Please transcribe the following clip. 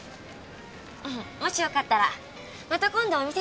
もし良かったらまた今度お店に来てください。